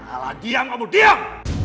alah diam kamu diam